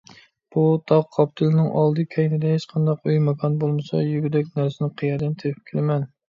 بۇ تاغ قاپتىلىنىڭ ئالدى - كەينىدە ھېچقانداق ئۆي - ماكان بولمىسا، يېگۈدەك نەرسىنى قەيەردىن تېپىپ كېلىمەن؟